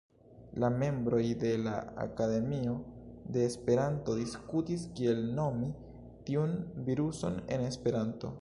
La membroj de la Akademio de Esperanto diskutis, kiel nomi tiun viruson en Esperanto.